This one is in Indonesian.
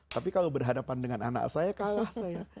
tapi kalau berhadapan dengan anak saya kalah saya